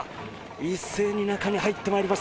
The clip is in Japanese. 一斉に中に入ってまいります。